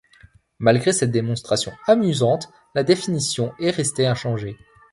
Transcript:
Malgré cette démonstration amusante, la définition est restée inchangée.